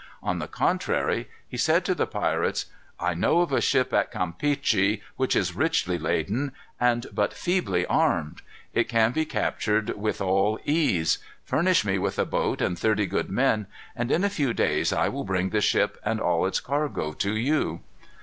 On the contrary, he said to the pirates: "I know of a ship at Campeachy, which is richly laden, and but feebly armed. It can be captured with all ease. Furnish me with a boat and thirty good men, and in a few days I will bring the ship and all its cargo to you."